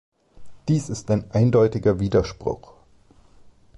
Dies ist ein eindeutiger Widerspruch.